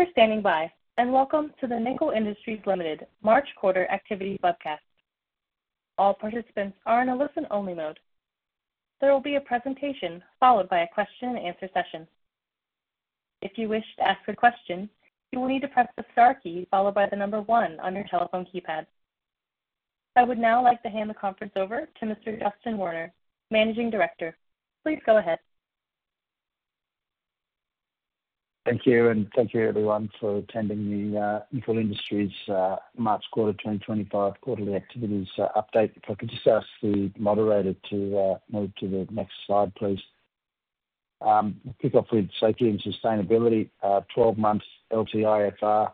Thank you for standing by, and welcome to the Nickel Industries Limited March Quarter Activity Webcast. All participants are in a listen-only mode. There will be a presentation followed by a question-and-answer session. If you wish to ask a question, you will need to press the * key followed by the number 1 on your telephone keypad. I would now like to hand the conference over to Mr. Justin Werner, Managing Director. Please go ahead. Thank you, and thank you, everyone, for attending the Nickel Industries March Quarter 2025 Quarterly Activities Update. If I could just ask the moderator to move to the next slide, please. We'll kick off with safety and sustainability. Twelve months' LTIFR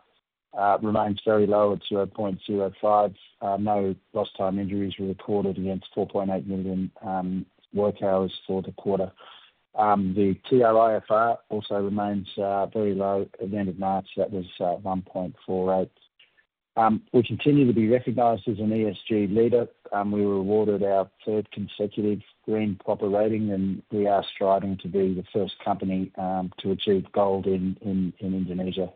remains very low at 0.05. No lost-time injuries were recorded against 4.8 million work hours for the quarter. The TRIFR also remains very low. At the end of March, that was 1.48. We continue to be recognized as an ESG leader. We were awarded our third consecutive Green PROPER rating, and we are striving to be the first company to achieve gold in Indonesia.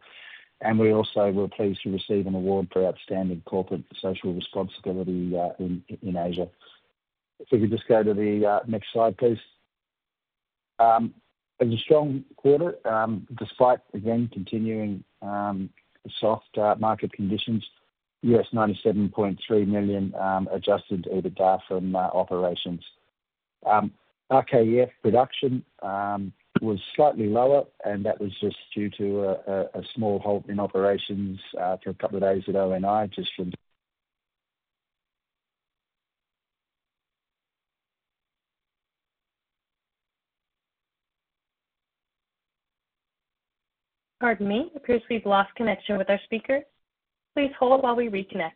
We also were pleased to receive an award for outstanding corporate social responsibility in Asia. If we could just go to the next slide, please. It was a strong quarter, despite, again, continuing soft market conditions. Yes, $97.3 million adjusted EBITDA from operations. RKEF production was slightly lower, and that was just due to a small halt in operations for a couple of days at ONI, just from. Pardon me, it appears we've lost connection with our speakers. Please hold while we reconnect.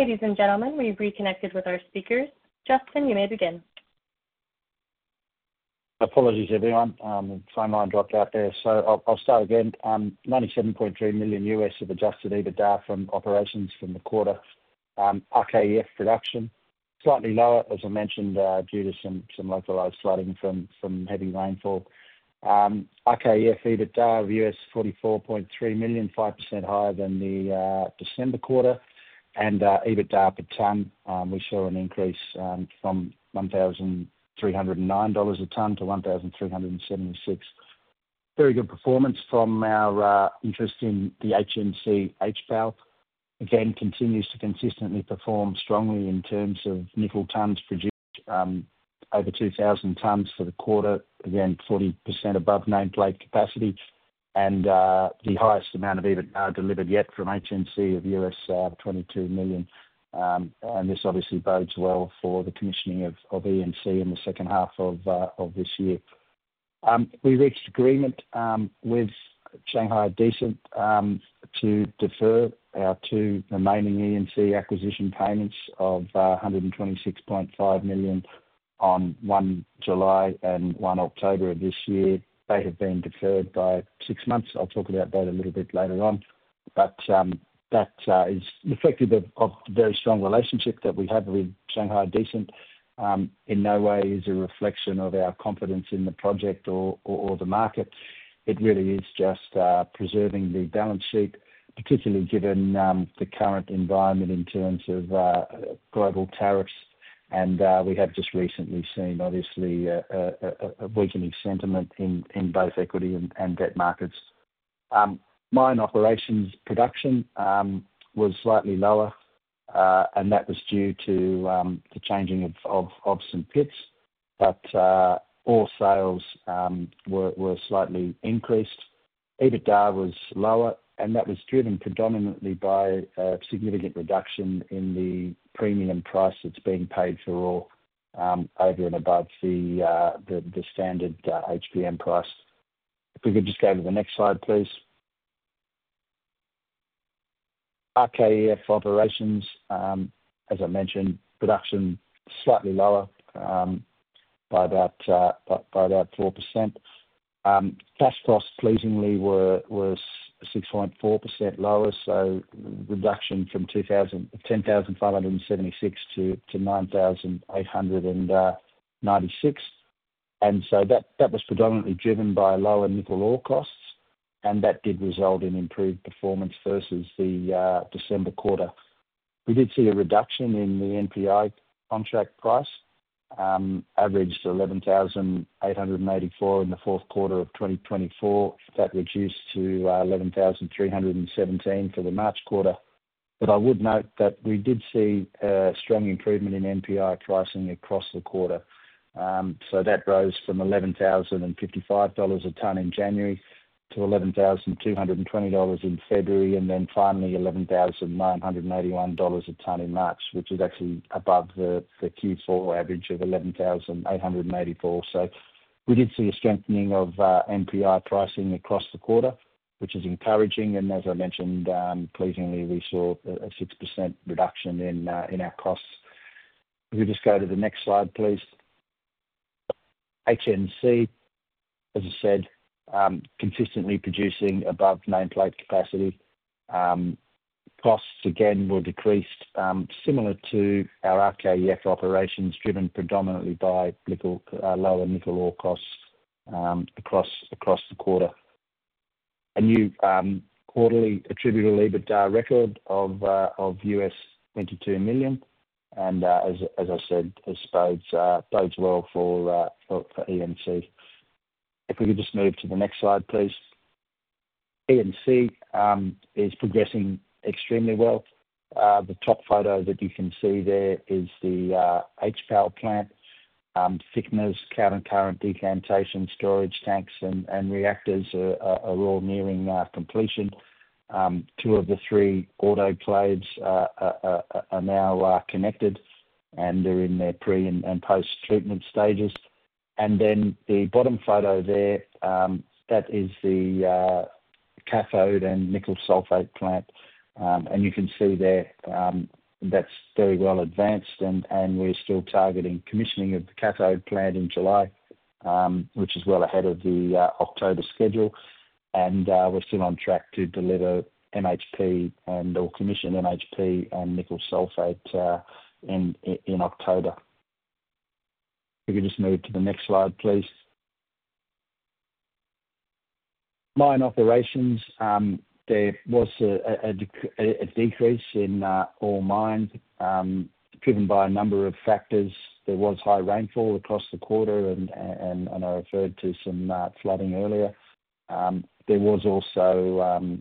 Ladies and gentlemen, we reconnected with our speakers. Justin, you may begin. Apologies, everyone. My phone line dropped out there, so I'll start again. $97.3 million of adjusted EBITDA from operations from the quarter. RKEF production, slightly lower, as I mentioned, due to some localized flooding from heavy rainfall. RKEF EBITDA of $44.3 million, 5% higher than the December quarter. EBITDA per ton, we saw an increase from $1,309 a ton to $1,376. Very good performance from our interest in the HNC HPAL. Again, continues to consistently perform strongly in terms of nickel tons produced, over 2,000 tons for the quarter, again, 40% above nameplate capacity. The highest amount of EBITDA delivered yet from HNC of $22 million. This obviously bodes well for the commissioning of ENC in the second half of this year. We reached agreement with Shanghai Decent to defer our two remaining ENC acquisition payments of $126.5 million on July 1 and October 1 of this year. They have been deferred by six months. I'll talk about that a little bit later on. That is reflective of the very strong relationship that we have with Shanghai Decent. In no way is it a reflection of our confidence in the project or the market. It really is just preserving the balance sheet, particularly given the current environment in terms of global tariffs. We have just recently seen, obviously, a weakening sentiment in both equity and debt markets. Mine operations production was slightly lower, and that was due to the changing of some pits. Ore sales were slightly increased. EBITDA was lower, and that was driven predominantly by a significant reduction in the premium price that's being paid for all over and above the standard HPM price. If we could just go to the next slide, please. RKEF operations, as I mentioned, production slightly lower by about 4%. Cash costs, pleasingly, were 6.4% lower, so reduction from $10,576 to $9,896. That was predominantly driven by lower nickel ore costs, and that did result in improved performance versus the December quarter. We did see a reduction in the NPI contract price, averaged $11,884 in the fourth quarter of 2024. That reduced to $11,317 for the March quarter. I would note that we did see a strong improvement in NPI pricing across the quarter. That rose from $11,055 a ton in January to $11,220 in February, and then finally $11,981 a ton in March, which is actually above the Q4 average of $11,884. We did see a strengthening of NPI pricing across the quarter, which is encouraging. As I mentioned, pleasingly, we saw a 6% reduction in our costs. If we just go to the next slide, please. HNC, as I said, consistently producing above nameplate capacity. Costs, again, were decreased, similar to our RKEF operations, driven predominantly by lower nickel ore costs across the quarter. A new quarterly attributable EBITDA record of $22 million. As I said, this bodes well for ENC. If we could just move to the next slide, please. ENC is progressing extremely well. The top photo that you can see there is the HPAL plant. Thickeners, countercurrent decantation, storage tanks, and reactors are all nearing completion. Two of the three autoclaves are now connected, and they're in their pre- and post-treatment stages. The bottom photo there, that is the cathode and nickel sulfate plant. You can see there that's very well advanced, and we're still targeting commissioning of the cathode plant in July, which is well ahead of the October schedule. We're still on track to deliver MHP and/or commission MHP and nickel sulfate in October. If we could just move to the next slide, please. Mine operations, there was a decrease in all mines, driven by a number of factors. There was high rainfall across the quarter, and I referred to some flooding earlier. There was also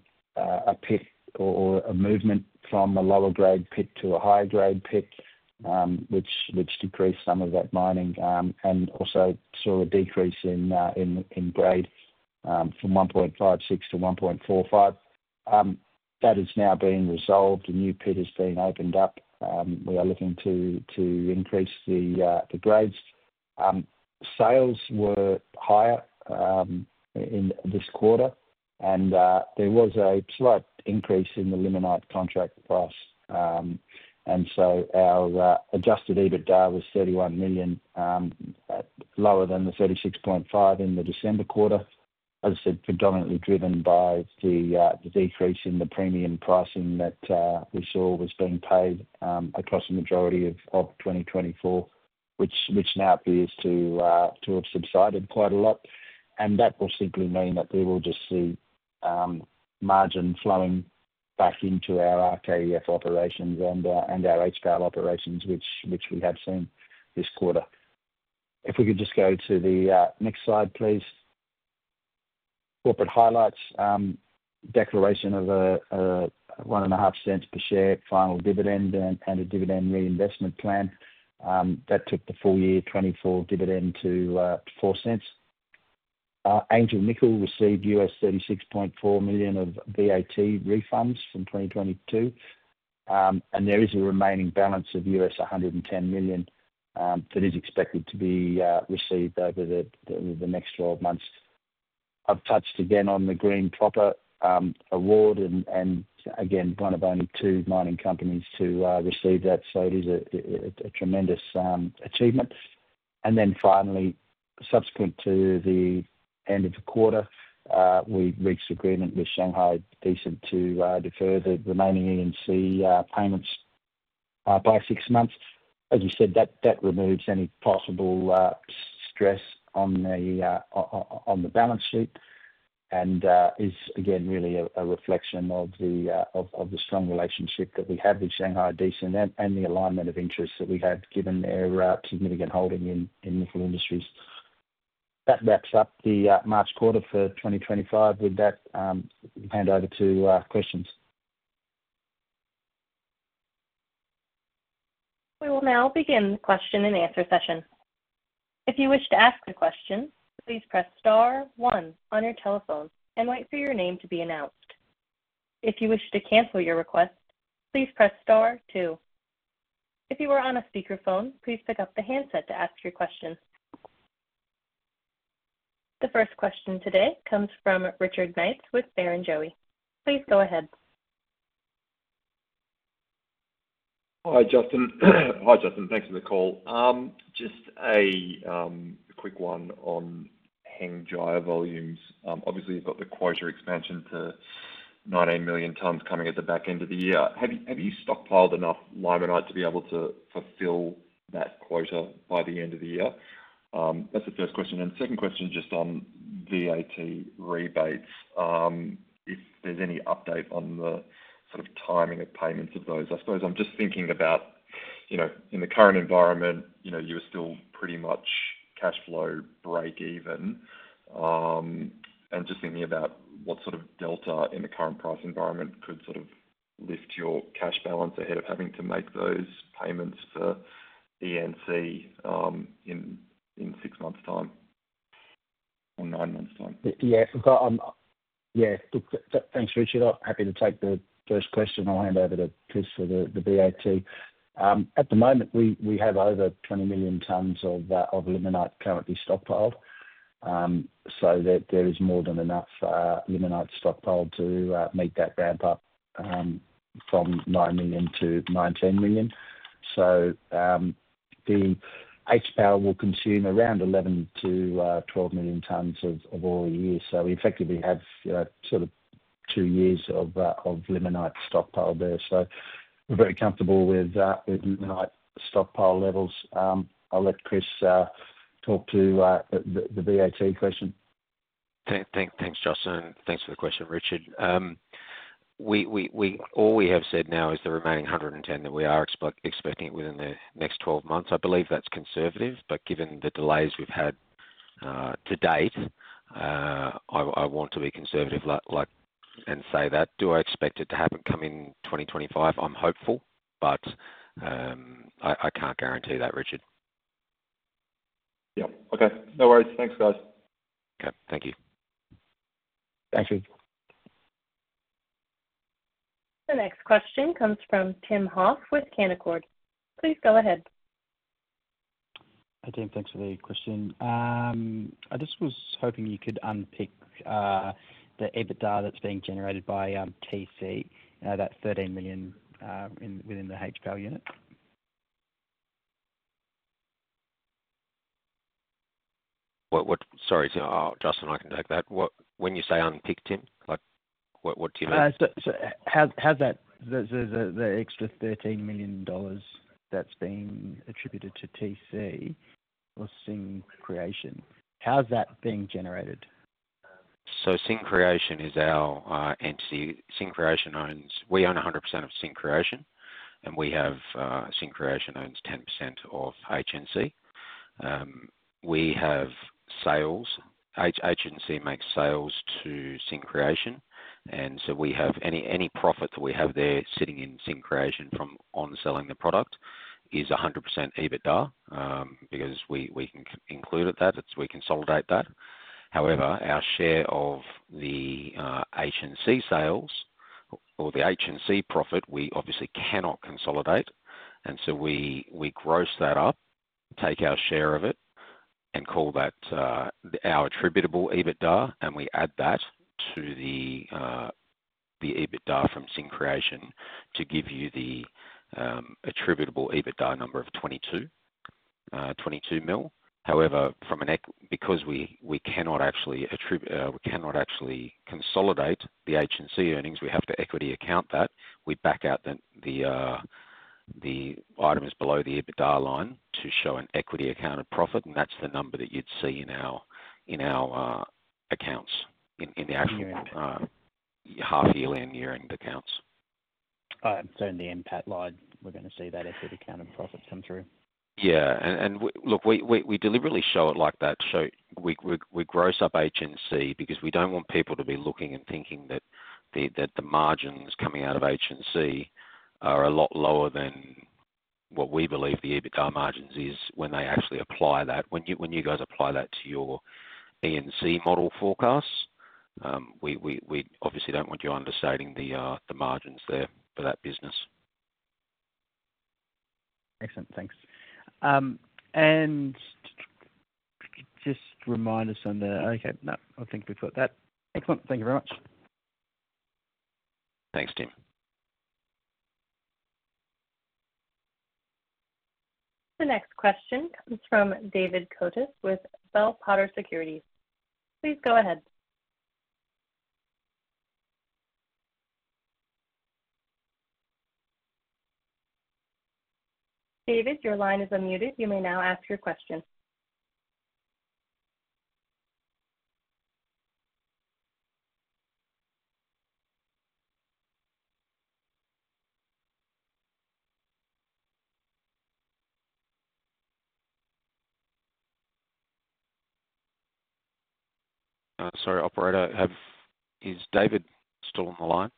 a pit or a movement from a lower-grade pit to a higher-grade pit, which decreased some of that mining. We also saw a decrease in grade from 1.56 to 1.45. That has now been resolved. A new pit has been opened up. We are looking to increase the grades. Sales were higher this quarter, and there was a slight increase in the limonite contract price. Our adjusted EBITDA was $31 million, lower than the $36.5 million in the December quarter. As I said, predominantly driven by the decrease in the premium pricing that we saw was being paid across the majority of 2024, which now appears to have subsided quite a lot. That will simply mean that we will just see margin flowing back into our RKEF operations and our HPAL operations, which we have seen this quarter. If we could just go to the next slide, please. Corporate highlights, declaration of a 0.015 per share final dividend and a dividend reinvestment plan. That took the full year 2024 dividend to $0.04. Angel Nickel received $36.4 million of VAT refunds from 2022. There is a remaining balance of $110 million that is expected to be received over the next 12 months. I have touched again on the Green PROPER award and, again, one of only two mining companies to receive that. It is a tremendous achievement. Finally, subsequent to the end of the quarter, we reached agreement with Shanghai Decent to defer the remaining ENC payments by six months. As you said, that removes any possible stress on the balance sheet and is, again, really a reflection of the strong relationship that we have with Shanghai Decent and the alignment of interests that we have, given their significant holding in Nickel Industries. That wraps up the March quarter for 2025. With that, we will hand over to questions. We will now begin the question-and-answer session. If you wish to ask a question, please press *1 on your telephone and wait for your name to be announced. If you wish to cancel your request, please press *2. If you are on a speakerphone, please pick up the handset to ask your question. The first question today comes from Richard Knights with Barrenjoey. Please go ahead. Hi, Justin. Thanks for the call. Just a quick one on Hengjaya volumes. Obviously, you've got the quota expansion to 19 million tons coming at the back end of the year. Have you stockpiled enough limonite to be able to fulfill that quota by the end of the year? That's the first question. The second question is just on VAT rebates, if there's any update on the sort of timing of payments of those. I suppose I'm just thinking about, in the current environment, you were still pretty much cash flow break even. Just thinking about what sort of delta in the current price environment could sort of lift your cash balance ahead of having to make those payments for ENC in six months' time or nine months' time. Yeah. Yeah. Thanks, Richard. I'm happy to take the first question. I'll hand over to Chris for the VAT. At the moment, we have over 20 million tons of limonite currently stockpiled. There is more than enough limonite stockpiled to meet that ramp-up from 9 million to 19 million. The HPAL will consume around 11-12 million tons of ore a year. Effectively, we have sort of two years of limonite stockpiled there. We're very comfortable with limonite stockpile levels. I'll let Chris talk to the VAT question. Thanks, Justin. Thanks for the question, Richard. All we have said now is the remaining 110 that we are expecting within the next 12 months. I believe that's conservative, but given the delays we've had to date, I want to be conservative and say that. Do I expect it to happen come in 2025? I'm hopeful, but I can't guarantee that, Richard. Yep. Okay. No worries. Thanks, guys. Okay. Thank you. Thank you. The next question comes from Tim Hoff with Canaccord. Please go ahead. Hey, Tim. Thanks for the question. I just was hoping you could unpick the EBITDA that's being generated by TC, that $13 million within the HPAL unit. Sorry, Justin, I can take that. When you say unpick, Tim, what do you mean? How's that? The extra $13 million that's being attributed to TC or Tsing Creation, how's that being generated? Tsing Creation is our entity. We own 100% of Tsing Creation, and Tsing Creation owns 10% of HNC. We have sales. HNC makes sales to Tsing Creation. Any profit that we have there sitting in Tsing Creation from on-selling the product is 100% EBITDA because we can include that. We consolidate that. However, our share of the HNC sales or the HNC profit, we obviously cannot consolidate. We gross that up, take our share of it, and call that our attributable EBITDA, and we add that to the EBITDA from Tsing Creation to give you the attributable EBITDA number of $22 million. However, because we cannot actually consolidate the HNC earnings, we have to equity account that. We back out the items below the EBITDA line to show an equity accounted profit, and that's the number that you'd see in our accounts in the actual half-year-end year-end accounts. In the MPAT line, we're going to see that equity accounted profit come through? Yeah. Look, we deliberately show it like that. We gross up HNC because we do not want people to be looking and thinking that the margins coming out of HNC are a lot lower than what we believe the EBITDA margins is when they actually apply that, when you guys apply that to your ENC model forecasts. We obviously do not want you understating the margins there for that business. Excellent. Thanks. Just remind us on the okay. No, I think we've got that. Excellent. Thank you very much. Thanks, Tim. The next question comes from David Coates with Bell Potter Securities. Please go ahead. David, your line is unmuted. You may now ask your question. Sorry, operator. Is David still on the line?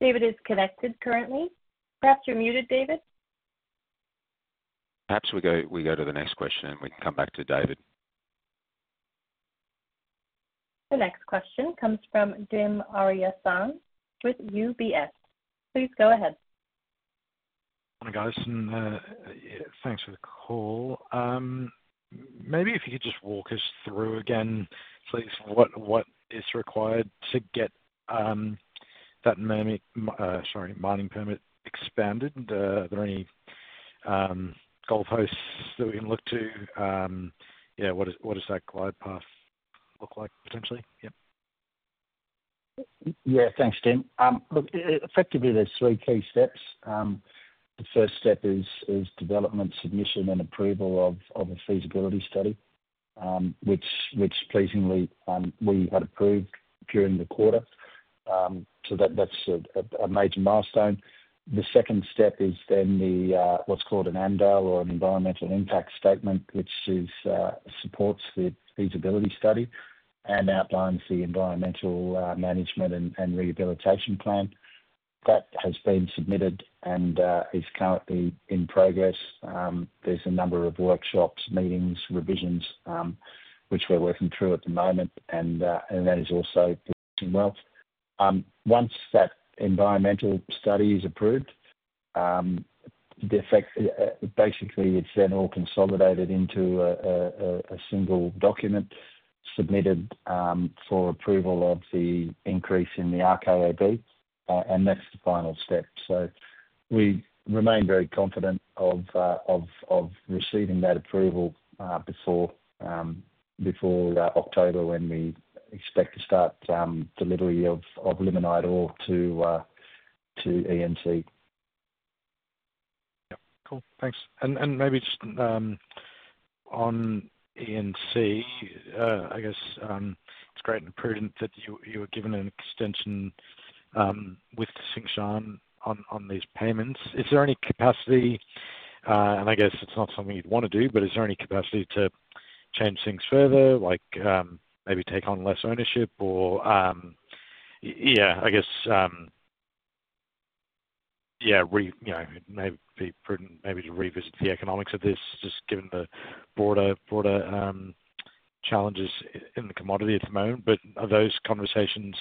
David is connected currently. Perhaps you're muted, David. Perhaps we go to the next question, and we can come back to David. The next question comes from Dim Ariyasinghe with UBS. Please go ahead. Morning, guys. Thanks for the call. Maybe if you could just walk us through again, please, what is required to get that mining permit expanded? Are there any goal posts that we can look to? Yeah, what does that glide path look like, potentially? Yep. Yeah. Thanks, Tim. Look, effectively, there's three key steps. The first step is development, submission, and approval of a feasibility study, which, pleasingly, we had approved during the quarter. That is a major milestone. The second step is then what's called an ANDAL or an environmental impact statement, which supports the feasibility study and outlines the environmental management and rehabilitation plan. That has been submitted and is currently in progress. There's a number of workshops, meetings, revisions, which we're working through at the moment, and that is also progressing well. Once that environmental study is approved, basically, it's then all consolidated into a single document submitted for approval of the increase in the RKAB, and that's the final step. We remain very confident of receiving that approval before October, when we expect to start delivery of limonite ore to ENC. Yep. Cool. Thanks. Maybe just on ENC, I guess it's great and prudent that you were given an extension with Tsingshan on these payments. Is there any capacity? I guess it's not something you'd want to do, but is there any capacity to change things further, like maybe take on less ownership or, yeah, I guess, yeah, maybe be prudent maybe to revisit the economics of this, just given the broader challenges in the commodity at the moment. Are those conversations,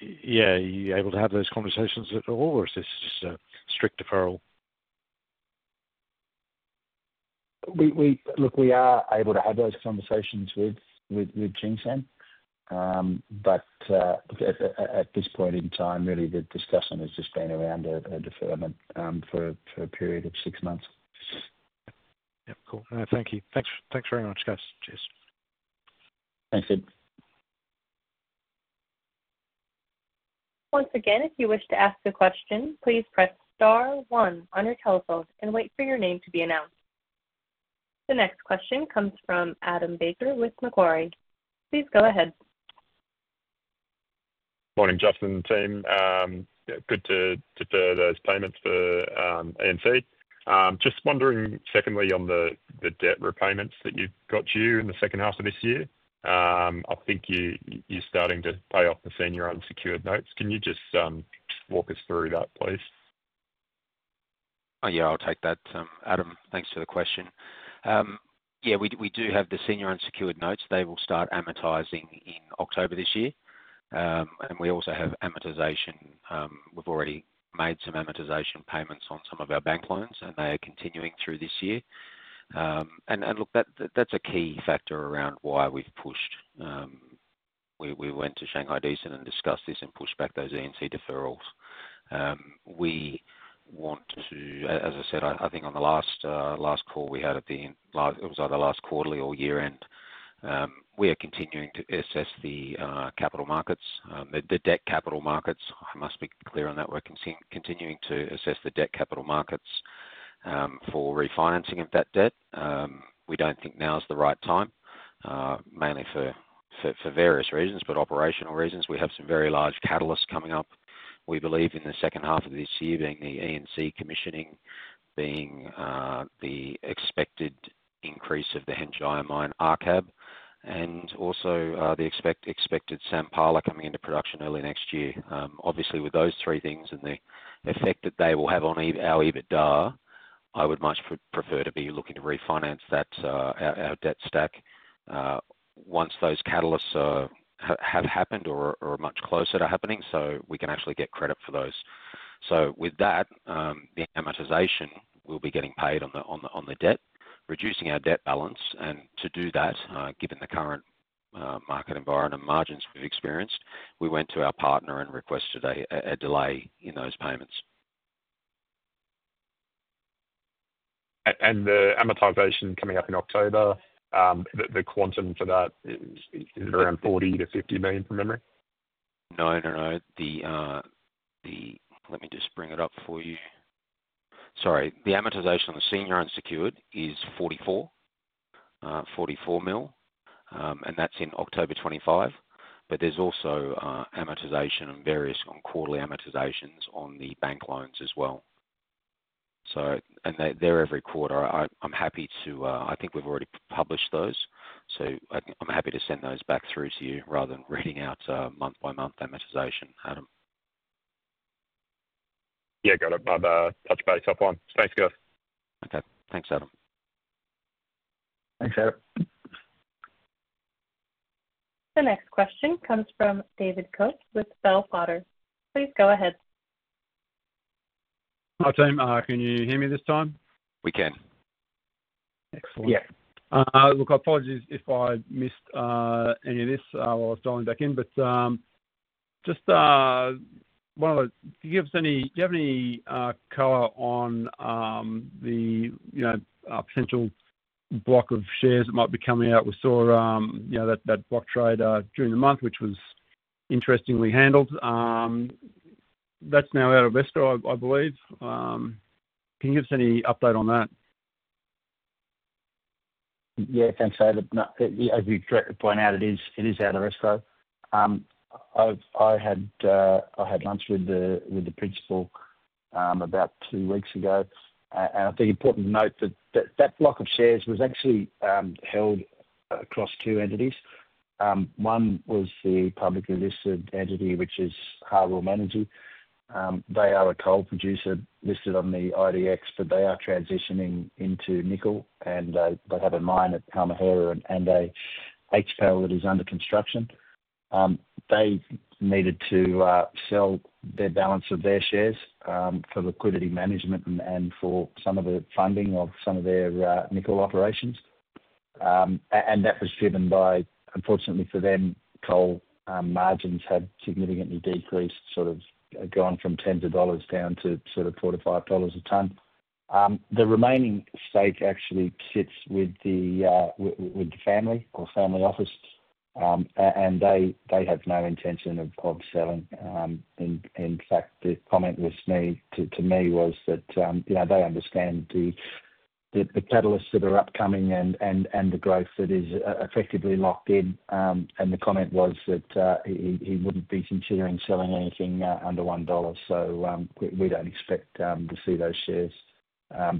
yeah, are you able to have those conversations at all, or is this just a strict deferral? Look, we are able to have those conversations with Tsingshan, but at this point in time, really, the discussion has just been around a deferment for a period of six months. Yep. Cool. Thank you. Thanks very much, guys. Cheers. Thanks, Tim. Once again, if you wish to ask a question, please press *1 on your telephone and wait for your name to be announced. The next question comes from Adam Baker with Macquarie. Please go ahead. Morning, Justin and Tim. Good to defer those payments for ENC. Just wondering, secondly, on the debt repayments that you've got due in the second half of this year. I think you're starting to pay off the senior unsecured notes. Can you just walk us through that, please? Yeah, I'll take that. Adam, thanks for the question. Yeah, we do have the senior unsecured notes. They will start amortizing in October this year. We also have amortization. We've already made some amortization payments on some of our bank loans, and they are continuing through this year. Look, that's a key factor around why we've pushed. We went to Shanghai Decent and discussed this and pushed back those ENC deferrals. As I said, I think on the last call we had at the end, it was either last quarterly or year-end, we are continuing to assess the capital markets, the debt capital markets. I must be clear on that. We're continuing to assess the debt capital markets for refinancing of that debt. We don't think now is the right time, mainly for various reasons, but operational reasons. We have some very large catalysts coming up. We believe in the second half of this year, the ENC commissioning being the expected increase of the Hengjaya Mine RKAB and also the expected Sampala coming into production early next year. Obviously, with those three things and the effect that they will have on our EBITDA, I would much prefer to be looking to refinance our debt stack once those catalysts have happened or are much closer to happening so we can actually get credit for those. With that, the amortization will be getting paid on the debt, reducing our debt balance. To do that, given the current market environment and margins we've experienced, we went to our partner and requested a delay in those payments. The amortization coming up in October, the quantum for that, is it around $40 million-$50 million from memory? No, no, no. Let me just bring it up for you. Sorry. The amortization on the senior unsecured is $44 million, and that's in October 2025. There is also amortization on quarterly amortizations on the bank loans as well. They are every quarter. I'm happy to—I think we've already published those. I'm happy to send those back through to you rather than reading out month-by-month amortization, Adam. Yeah, got it. I'll touch base up once. Thanks, guys. Okay. Thanks, Adam. Thanks, Adam. The next question comes from David Coates with Bell Potter. Please go ahead. Hi, Chris. Can you hear me this time? We can. Excellent. Yeah. Look, I apologize if I missed any of this. I was dialing back in. Just one of the, do you have any color on the potential block of shares that might be coming out? We saw that block trade during the month, which was interestingly handled. That is now out of escrow, I believe. Can you give us any update on that? Yeah. Thanks, David As you point out, it is out of escrow. I had lunch with the principal about two weeks ago. I think it's important to note that that block of shares was actually held across two entities. One was the publicly listed entity, which is Harum Energy. They are a coal producer listed on the IDX, but they are transitioning into nickel, and they have a mine at Halmahera and an HPAL that is under construction. They needed to sell their balance of their shares for liquidity management and for some of the funding of some of their nickel operations. That was driven by, unfortunately for them, coal margins had significantly decreased, sort of gone from tens of dollars down to sort of $4-$5 a ton. The remaining stake actually sits with the family or family office, and they have no intention of selling. In fact, the comment to me was that they understand the catalysts that are upcoming and the growth that is effectively locked in. The comment was that he would not be considering selling anything under $1. We do not expect to see those shares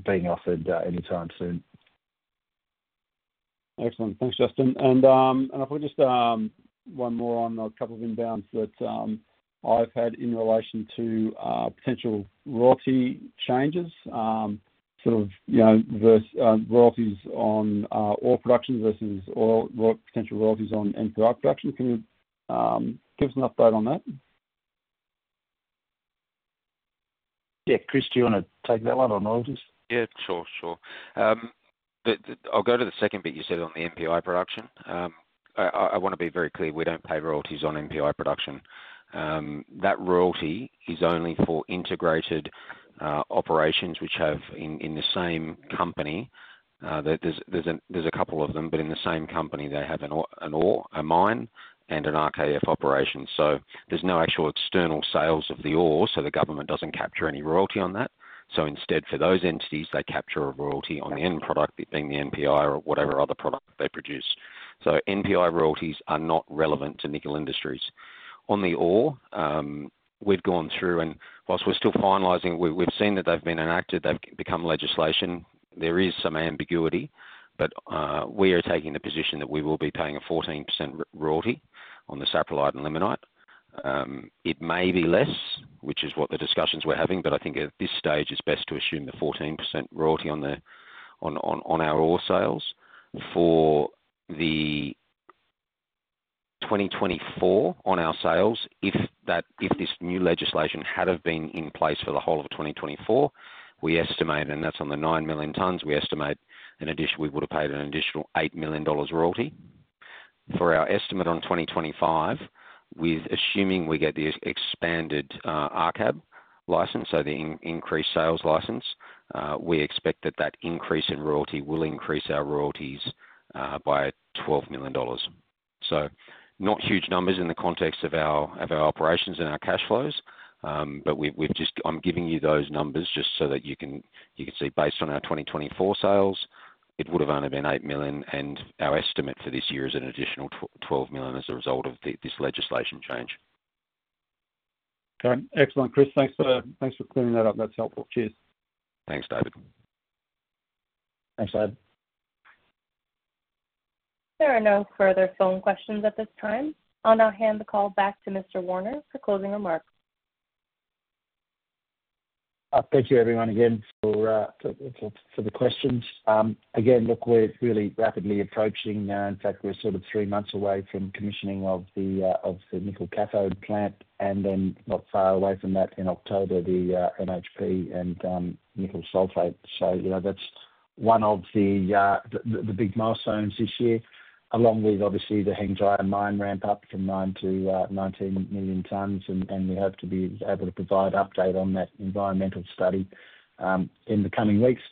being offered anytime soon. Excellent. Thanks, Justin. If we could just have one more on a couple of inbounds that I've had in relation to potential royalty changes, sort of royalties on oil production versus potential royalties on NPI production. Can you give us an update on that? Yeah. Chris, do you want to take that one or notice? Yeah. Sure, sure. I'll go to the second bit you said on the NPI production. I want to be very clear. We don't pay royalties on NPI production. That royalty is only for integrated operations, which have in the same company. There's a couple of them, but in the same company, they have an ore, a mine, and an RKEF operation. There is no actual external sales of the ore, so the government doesn't capture any royalty on that. Instead, for those entities, they capture a royalty on the end product, being the NPI or whatever other product they produce. NPI royalties are not relevant to Nickel Industries. On the ore, we've gone through, and whilst we're still finalizing, we've seen that they've been enacted, they've become legislation. There is some ambiguity, but we are taking the position that we will be paying a 14% royalty on the saprolite and limonite. It may be less, which is what the discussions we are having, but I think at this stage, it is best to assume the 14% royalty on our ore sales for 2024 on our sales. If this new legislation had have been in place for the whole of 2024, we estimate, and that is on the 9 million tons, we estimate we would have paid an additional $8 million royalty for our estimate on 2025. With assuming we get the expanded RKAB license, so the increased sales license, we expect that that increase in royalty will increase our royalties by $12 million. Not huge numbers in the context of our operations and our cash flows, but I'm giving you those numbers just so that you can see based on our 2024 sales, it would have only been $8 million, and our estimate for this year is an additional $12 million as a result of this legislation change. Okay. Excellent. Chris, thanks for clearing that up. That's helpful. Cheers. Thanks, David. Thanks, David. There are no further phone questions at this time. I'll now hand the call back to Mr. Werner for closing remarks. Thank you, everyone, again, for the questions. Again, look, we're really rapidly approaching. In fact, we're sort of three months away from commissioning of the nickel cathode plant, and then not far away from that in October, the MHP and nickel sulfate. That is one of the big milestones this year, along with, obviously, the Hengjaya Mine ramp-up from 9 to 19 million tons. We hope to be able to provide an update on that environmental study in the coming weeks.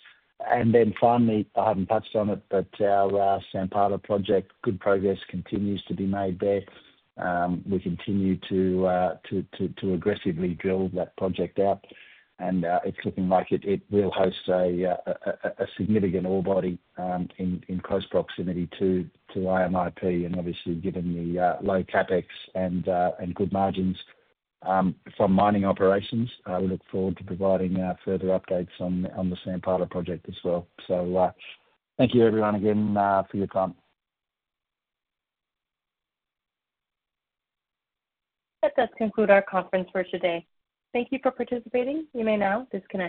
Finally, I had not touched on it, but our Sampala project, good progress continues to be made there. We continue to aggressively drill that project out, and it is looking like it will host a significant ore body in close proximity to IMIP. Obviously, given the low CapEx and good margins from mining operations, we look forward to providing further updates on the Sampala project as well. Thank you, everyone, again, for your time. That does conclude our conference for today. Thank you for participating. You may now disconnect.